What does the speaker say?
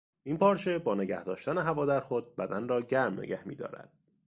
این پارچه با نگهداشتن هوا در خود بدن را گرم نگه میدارد.